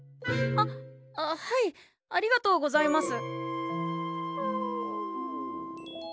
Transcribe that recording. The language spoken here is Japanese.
あっはいありがとうございます。